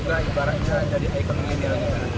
mereka juga ibaratnya jadi ikon milenial